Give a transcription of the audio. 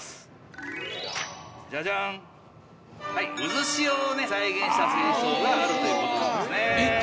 渦潮をね再現した水槽があるという事なんですね。